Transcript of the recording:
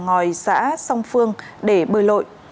ngòi xã song phương để bơi lội